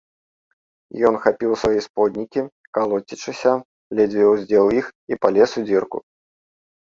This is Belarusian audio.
Ён хапіў свае споднікі, калоцячыся, ледзьве ўздзеў іх і палез у дзірку.